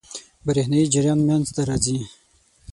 برېښنايي جریان منځ ته راځي.